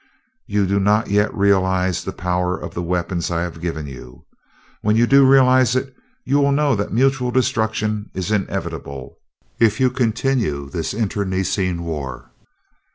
You do not yet realize the power of the weapons I have given you. When you do realize it, you will know that mutual destruction is inevitable if you continue this internecine war.